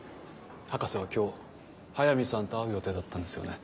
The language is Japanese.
博士は今日速水さんと会う予定だったんですよね？